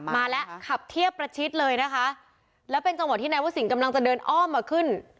มาแล้วขับเทียบประชิดเลยนะคะแล้วเป็นจังหวะที่นายวสินกำลังจะเดินอ้อมมาขึ้น